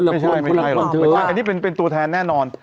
ไม่ใช่อันนี้เป็นตัวแทนแน่นอน